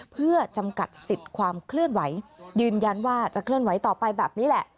เพื่อจำกัดสิทธิ์ความเคลื่อนไหวยืนยันว่าจะเคลื่อนไหวต่อไปแบบนี้แหละ